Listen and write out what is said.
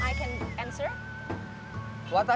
maka tunjukkan kepada saya